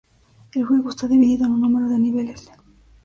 El juego está dividido en un número de niveles.